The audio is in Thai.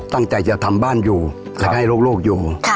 ตั้งใจจะทำบ้านอยู่แล้วก็ให้ลูกอยู่